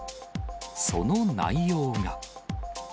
その内容が。